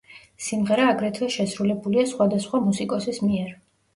სიმღერა აგრეთვე შესრულებულია სხვადასხვა მუსიკოსის მიერ.